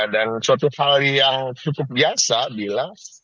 dan suatu hal yang cukup biasa bila